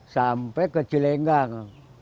sampai ke cilenggang